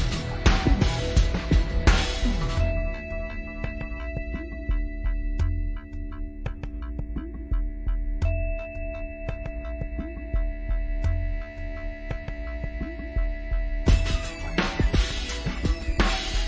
มารยาทสุดยอดมาก